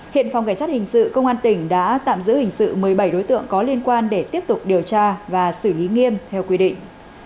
hiện phòng cảnh sát hình sự công an tỉnh đã tạm giữ hình sự một mươi bảy đối tượng có liên quan để tiếp tục điều tra và xử lý nghiêm theo quy định